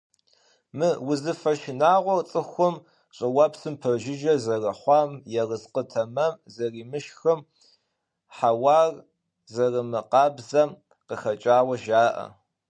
Мы узыфэ шынагъуэр цӀыхур щӀыуэпсым пэжыжьэ зэрыхъуам, ерыскъы тэмэм зэримышхым, хьэуар зэрымыкъабзэм къыхэкӀауэ жаӏэ.